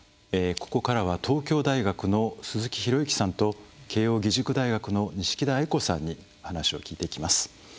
ここからは東京大学の鈴木啓之さんと慶應義塾大学の錦田愛子さんにお話を聞いていきます。